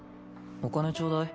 お金ちょうだい。